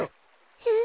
えっ？